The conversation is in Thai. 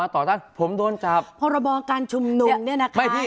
ต่อตั้งผมโดนจาบพรบองการชุมนุงเนี้ยนะคะไม่นี่